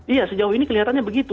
iya sejauh ini kelihatannya begitu